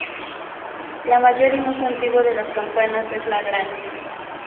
La mayor y más antigua de las campanas es "La Gran".